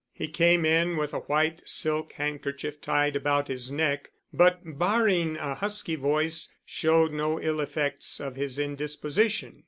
He came in with a white silk handkerchief tied about his neck, but barring a husky voice showed no ill effects of his indisposition.